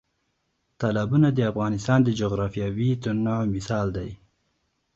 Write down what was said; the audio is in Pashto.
تالابونه د افغانستان د جغرافیوي تنوع مثال دی.